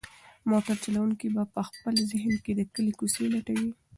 موټر چلونکی په خپل ذهن کې د کلي کوڅې لټوي.